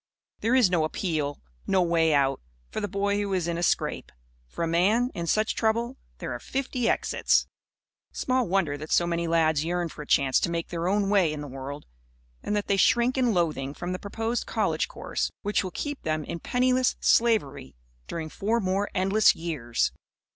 There is no appeal, no way out, for the boy who is in a scrape. For a man, in such trouble, there are fifty exits. Small wonder that so many lads yearn for a chance to make their own way in the world, and that they shrink in loathing from the proposed college course which will keep them in penniless slavery during four more endless years!